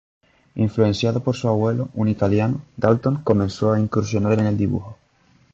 Influenciado por su abuelo, un italiano, Dalton comenzó a incursionar en el dibujo.